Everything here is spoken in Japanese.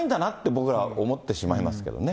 僕ら、思ってしまいますけどね。